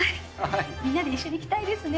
みんなで一緒に行きたいですね。